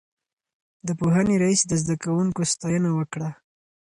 د پوهنې رئيس د زده کوونکو ستاينه وکړه.